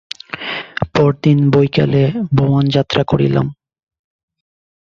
পরদিন বৈকালে বওয়ান যাত্রা করিলাম।